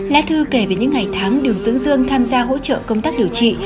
lá thư kể về những ngày tháng điều dưỡng dương tham gia hỗ trợ công tác điều trị